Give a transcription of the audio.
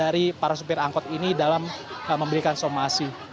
dari para supir angkot ini dalam memberikan somasi